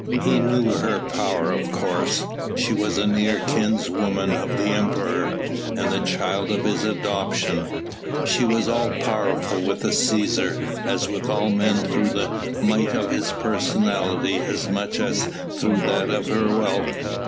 He knew her power of course. She was a near kinswoman of the Emperor, and the child of his adoption; she was all powerful with the Cæsar as with all men through the might of his personality as much as through that of her wealth.